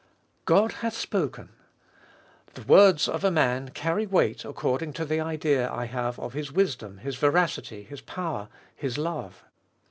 God hath spoken ! The words of a man carry weight accord ing to the idea I have of his wisdom, his veracity, his power, his love.